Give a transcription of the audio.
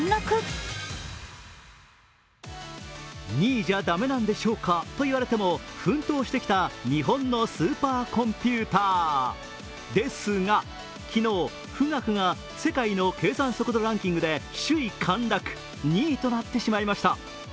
２位じゃ駄目なんでしょうかと言われても奮闘してきた日本のスーパーコンピューターですが昨日、富岳が世界の計算速度ランキングで首位陥落２位となってしまいました。